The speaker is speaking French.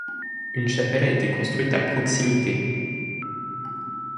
Une chapelle a été construite à proximité.